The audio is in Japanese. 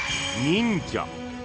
忍者。